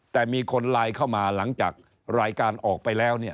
เข้ามาหลังจากรายการออกไปแล้ว